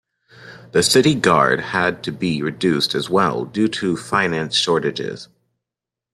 The city guard had to be reduced as well due to finance shortages.